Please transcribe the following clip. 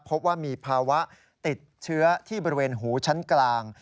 พบว่ามีภาวะติดเชื้อที่บริเวณหูชั้นกลาง